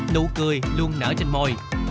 nụ cười luôn nở trên môi